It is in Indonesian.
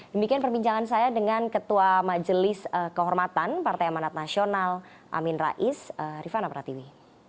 demikian perbincangan saya dengan ketua majelis kehormatan partai amanat nasional amin rais rifana pratiwi